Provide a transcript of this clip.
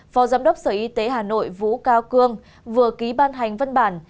phó giám đốc sở y tế hà nội vũ cao cương vừa ký ban hành văn bản